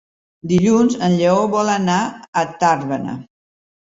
Dilluns en Lleó vol anar a Tàrbena.